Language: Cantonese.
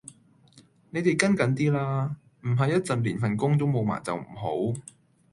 你地跟緊啲啦，唔係一陣連份工都冇埋就唔好